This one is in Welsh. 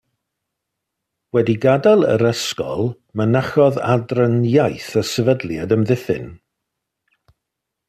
Wedi gadael yr ysgol mynychodd Adran Iaith a Sefydliad Amddiffyn.